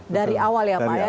dari awal ya pak ya